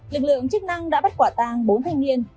lực lượng chức năng đã bắt quả tàng bốn thanh niên